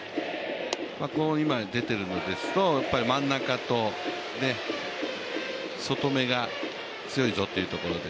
今出ているのですと、真ん中と外めが強いぞっていうところで。